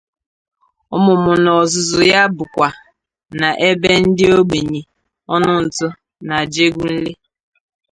Ọmụmụ na ọzụzụ ya bụ kwa na ebe ndi ogbenye ọnụ ntụ nke Ajegunle.